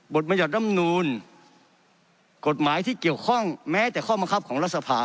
กฎมัญญาตรรำนูลกฎหมายที่เกี่ยวข้องแม้แต่ข้อมอครับของรัฐสภา